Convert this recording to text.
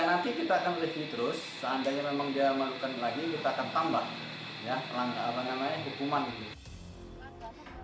nanti kita akan review terus seandainya memang dia melakukan lagi kita akan tambah hukuman